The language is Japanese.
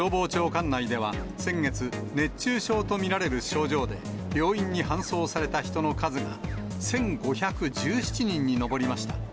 管内では、先月、熱中症と見られる症状で、病院に搬送された人の数が１５１７人に上りました。